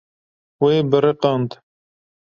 Wê biriqand.